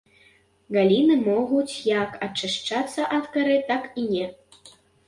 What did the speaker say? Галіны могуць як ачышчацца ад кары, так і не.